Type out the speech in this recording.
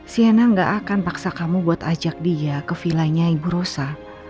siana gak akan paksa kamu buat ajak dia ke villanya ibu rosa